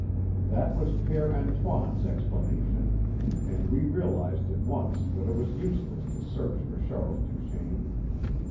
That was Père Antoine's explanation, and we realized at once that it was useless to search for Charles Duchaine.